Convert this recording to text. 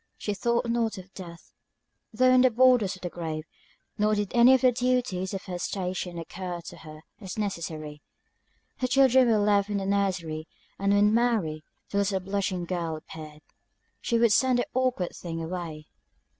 She thought not of death, though on the borders of the grave; nor did any of the duties of her station occur to her as necessary. Her children were left in the nursery; and when Mary, the little blushing girl, appeared, she would send the awkward thing away.